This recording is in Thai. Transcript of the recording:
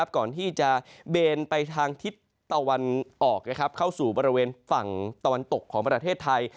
ก่อนที่จะเบนไปทางทิศตะวันออกเข้าสู่บริเวณฝั่งตะวันตกของประเทศไทย